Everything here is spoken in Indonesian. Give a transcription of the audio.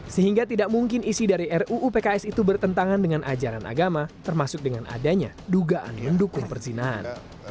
sehingga tidak mungkin isi dari ruu pks itu bertentangan dengan ajaran agama termasuk dengan adanya dugaan mendukung perzinahan